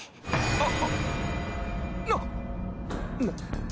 あっ！